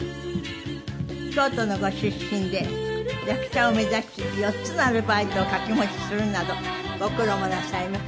京都のご出身で役者を目指し４つのアルバイトを掛け持ちするなどご苦労もなさいました。